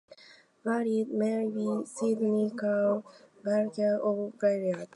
Valleys may be synclinal valleys or anticlinal valleys.